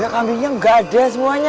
kambingnya nggak ada semuanya